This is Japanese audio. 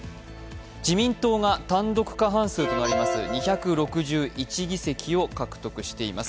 自民党が単独過半数となります２６１議席を獲得しています。